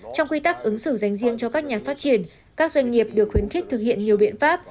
trong quy tắc ứng xử dành riêng cho các nhà phát triển các doanh nghiệp được khuyến khích thực hiện nhiều biện pháp